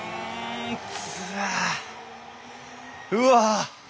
うわ！